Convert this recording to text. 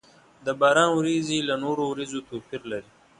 د باران ورېځې له نورو ورېځو توپير لري.